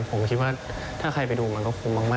ผมก็คิดว่าถ้าใครไปดูมันก็คุ้มมาก